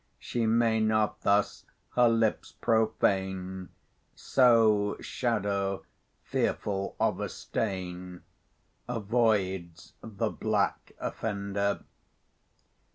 She may not thus her lips profane: So Shadow, fearful of a stain, Avoids the black offender.